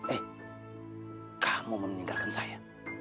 eh kamu meninggalkan saya